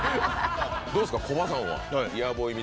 どうですかコバさんは。